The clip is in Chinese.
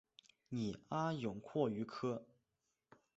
拟阿勇蛞蝓科。